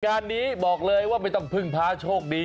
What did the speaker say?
งานนี้บอกเลยว่าไม่ต้องพึ่งพาโชคดี